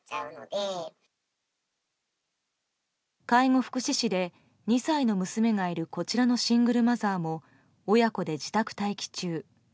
介護福祉士で、２歳の娘がいるこちらのシングルマザーも親子で自宅待機中。